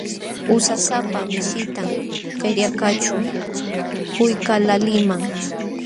Usasapa mishitam feriakaqćhu quykaqlaaliman.